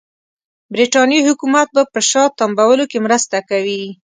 برټانیې حکومت به په شا تمبولو کې مرسته کوي.